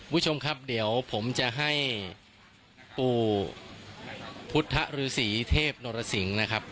คุณผู้ชมครับเดี๋ยวผมจะให้ปู่พุทธฤษีเทพนรสิงศ์นะครับ